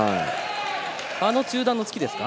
あの中段の突きですか？